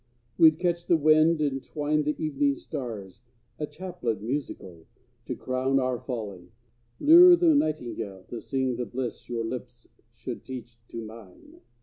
We'd catch the wind and twine The evening stars a chaplet musical To crown our folly, lure the nightingale To sing the bliss your lips should teach to mine.